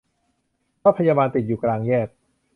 รถพยาบาลติดอยู่กลางแยก